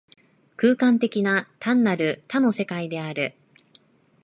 空間的な、単なる多の世界である。